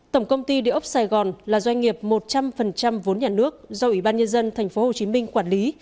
tổng công ty địa ốc sài gòn là doanh nghiệp một trăm linh vốn nhà nước do ủy ban nhân dân tp hcm quản lý